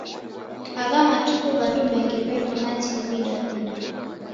Agha matuku w'andu w'engi w'eko na TV Daw'ida.